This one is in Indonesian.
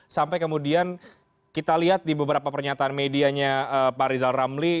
sampai kemudian kita lihat di beberapa pernyataan medianya pak rizal ramli